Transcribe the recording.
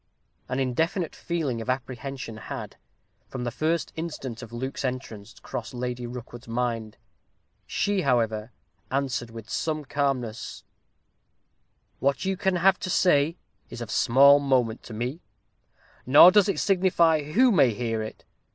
An indefinite feeling of apprehension had, from the first instant of Luke's entrance crossed Lady Rookwood's mind. She, however, answered, with some calmness: "What you can have to say is of small moment to me nor does it signify who may hear it.